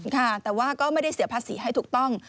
ค่ะแต่ว่าก็ไม่ได้เสียภาษีให้ถูกต้อง